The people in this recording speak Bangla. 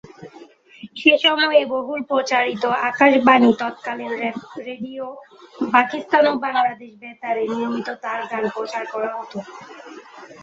সেসময়ের বহুল প্রচারিত আকাশবাণী, তৎকালীন রেডিও পাকিস্তান ও বাংলাদেশ বেতারে নিয়মিত তার গান প্রচার করা হত।